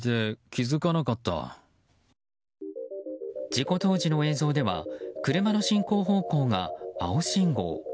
事故当時の映像では車の進行方向が青信号。